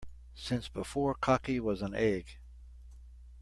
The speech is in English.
Since before cocky was an egg.